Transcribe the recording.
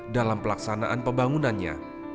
dalam pelaksanaan pembangunannya